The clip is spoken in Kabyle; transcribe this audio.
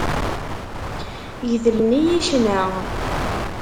Gedlen-iyi ccna.